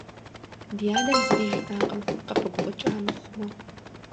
Ди адэм зыри жиӀакъым, къыпыгуфӀыкӀа мыхъумэ.